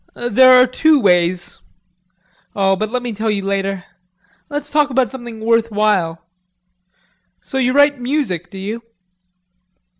"There are two ways...Oh, but let me tell you later. Let's talk about something worth while...So you write music do you?"